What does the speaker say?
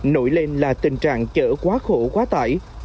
nổi lên là tình trạng chở quá khổ quá tải